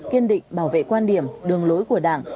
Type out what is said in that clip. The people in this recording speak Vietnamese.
kiên định bảo vệ quan điểm đường lối của đảng